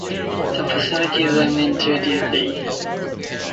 The facilities remain to this day.